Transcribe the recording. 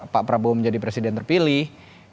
pak prabowo menjadi presiden terpilih